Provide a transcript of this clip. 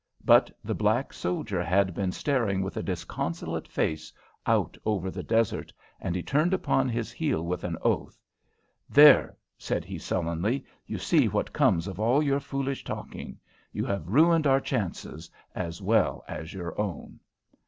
But the black soldier had been staring with a disconsolate face out over the desert, and he turned upon his heel with an oath. "There!" said he, sullenly. "You see what comes of all your foolish talking! You have ruined our chances as well as your own!"